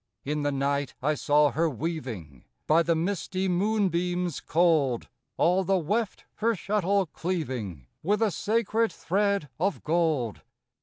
In the night I saw her weaving By the misty moonbeams cold, All the weft her shuttle cleaving With a sacred thread of gold.